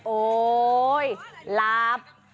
โอ๊ยลับ